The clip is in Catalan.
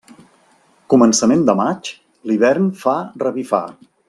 Començament de maig l'hivern fa revifar.